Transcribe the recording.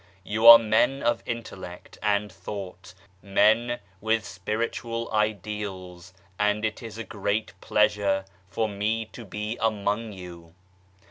You are men of intellect and thought, men with spiritual ideals, and it is a great pleasure for me to be among you.